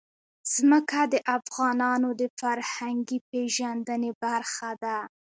ځمکه د افغانانو د فرهنګي پیژندنې برخه ده.